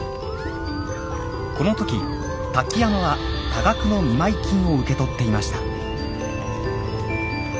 この時瀧山は多額の見舞い金を受け取っていました。